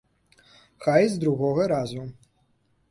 Хай і з другога разу.